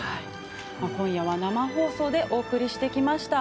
今夜は生放送でお送りしてきました。